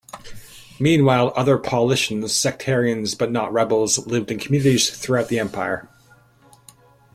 Meanwhile, other Paulicians, sectarians but not rebels, lived in communities throughout the empire.